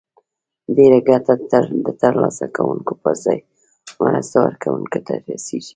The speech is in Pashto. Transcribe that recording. ډیره ګټه د تر لاسه کوونکو پر ځای مرستو ورکوونکو ته رسیږي.